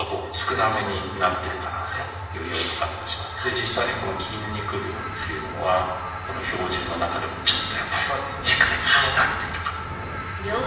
実際に筋肉量というのはこの標準の中でもちょっとやっぱり低めになっているかな。